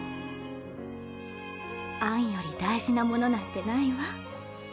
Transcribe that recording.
アンより大事なものなんてないわ。